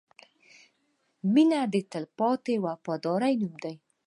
• مینه د تلپاتې وفادارۍ نوم دی.